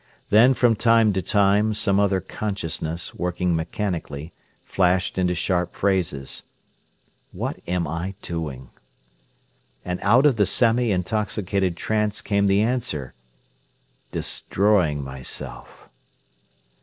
Then, from time to time, some other consciousness, working mechanically, flashed into sharp phrases. "What am I doing?" And out of the semi intoxicated trance came the answer: "Destroying myself."